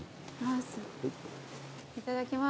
いただきます。